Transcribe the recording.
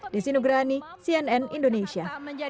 desi nugrani cnn indonesia